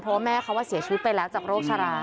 เพราะว่าแม่เขาเสียชีวิตไปแล้วจากโรคชะลา